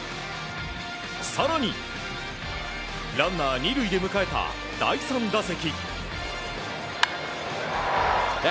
更にランナー２塁で迎えた第３打席。